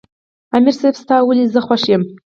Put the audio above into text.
" امیر صېب ستا ولې زۀ خوښ یم" ـ